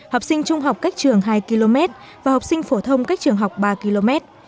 học sinh trung học cách trường hai km và học sinh phổ thông cách trường học ba km